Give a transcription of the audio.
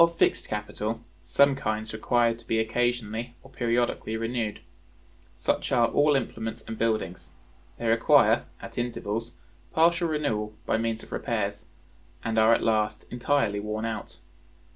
Of fixed capital, some kinds require to be occasionally or periodically renewed. Such are all implements and buildings: they require, at intervals, partial renewal by means of repairs, and are at last entirely worn out.